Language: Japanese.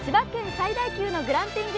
最大級のグランピング